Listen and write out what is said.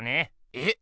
えっ？